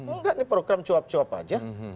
enggak nih program cuap cuap aja